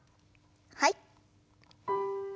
はい。